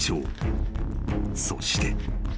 ［そして］